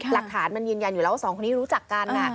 หลักฐานมันยืนยันอยู่แล้วว่าสองคนนี้รู้จักกัน